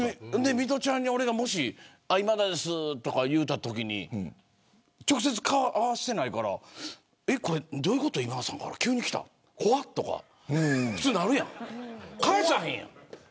水卜ちゃんに、もし俺が今田ですとか言ったときに直接、顔を合わせてないからどういうこと急にきた、怖いとか普通なるやん、返さへんやん。